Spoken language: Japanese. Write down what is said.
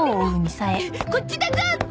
こっちだゾ！